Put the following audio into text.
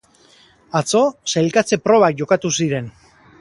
Atzo sailkatze probak jokatu ziren.